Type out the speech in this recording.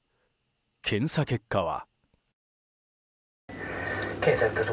検査結果は。